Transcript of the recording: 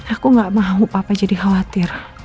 aku gak mau papa jadi khawatir